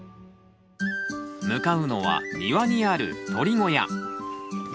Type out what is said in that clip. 向かうのは庭にあるとり小屋。